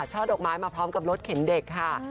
ช่อดอกไม้มาพร้อมกับรถเข็นเด็กค่ะ